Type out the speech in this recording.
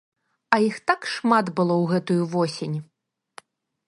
А іх так шмат было ў гэтую восень.